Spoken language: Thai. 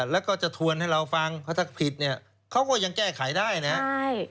แล้วก็จะทวนให้เราฟังเพราะถ้าผิดเนี่ยเขาก็ยังแก้ไขได้นะครับ